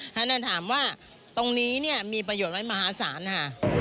ท่านนั้นถามว่าตรงนี้เนี่ยมีประโยชน์ไว้มหาศาลค่ะ